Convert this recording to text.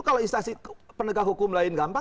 kalau instansi penegak hukum lain gampang